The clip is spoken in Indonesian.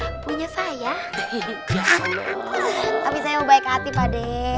tapi saya mau baik hati pade